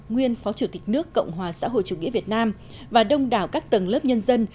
nguyên phó chủ tịch nước cộng hòa xã hội chủ nghĩa việt nam và đông đảo các tầng lớp nhân dân